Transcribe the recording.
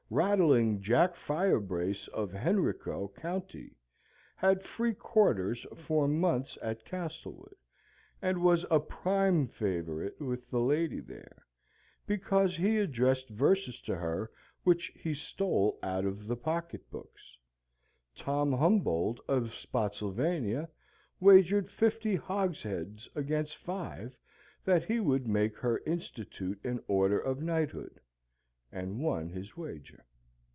Rattling Jack Firebrace of Henrico county had free quarters for months at Castlewood, and was a prime favourite with the lady there, because he addressed verses to her which he stole out of the pocket books. Tom Humbold of Spotsylvania wagered fifty hogsheads against five that he would make her institute an order of knighthood, and won his wager.